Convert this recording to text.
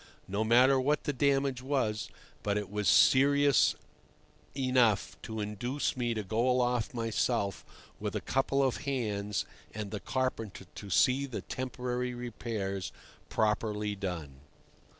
No matter what the damage was, but it was serious enough to induce me to go aloft myself with a couple of hands and the carpenter to see the temporary repairs properly done.